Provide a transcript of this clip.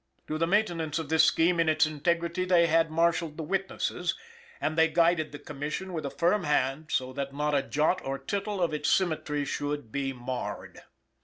To the maintenance of this scheme in its integrity, they had marshalled the witnesses, and they guided the Commission with a firm hand so that not a jot or tittle of its symmetry should be marred.